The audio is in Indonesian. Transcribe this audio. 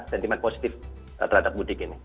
sentimen positif terhadap mudik ini